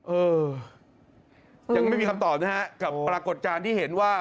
เออยังไม่มีคำตอบนะฮะกับปรากฏการณ์ที่เห็นว่า